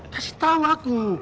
kasih tau aku